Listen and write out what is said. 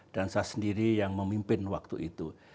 dan saya sendiri yang memimpin waktu itu